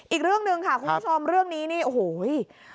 อีกเรื่องหนึ่งค่ะคุณผู้ชมเรื่องนี้นี่โอ้โห